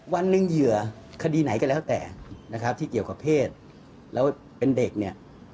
วันหนึ่งเหยื่อคดีไหนก็แล้วแต่นะครับที่เกี่ยวกับเพศแล้วเป็นเด็กเนี่ย